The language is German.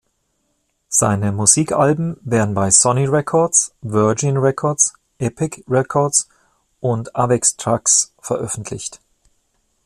Seine Musikalben werden bei Sony Records, Virgin Records, Epic Records und Avex Trax veröffentlicht.